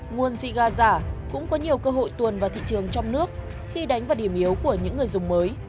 nguồn siga giả cũng có nhiều cơ hội tuồn vào thị trường trong nước khi đánh vào điểm yếu của những người dùng mới